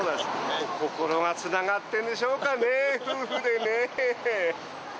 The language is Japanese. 心がつながってるんでしょうかねぇ、夫婦でね。